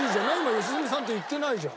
「良純さん」って言ってないじゃん。